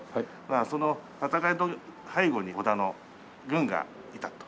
その戦いの背後に織田の軍がいたと。